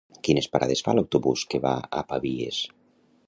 Quines parades fa l'autobús que va a Pavies?